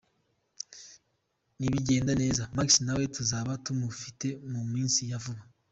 Nibigenda neza, Maxi nawe tuzaba tumufite mu minsi ya vuba.